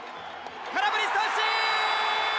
空振り三振！